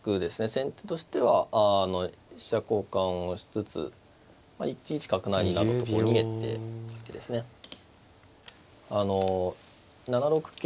先手としては飛車交換をしつつ１一角成などと逃げてですねあの７六桂。